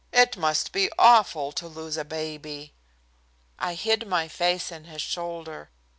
It must be awful to lose a baby." I hid my face in his shoulder.